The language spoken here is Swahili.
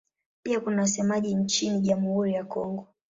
Pia kuna wasemaji nchini Jamhuri ya Kongo.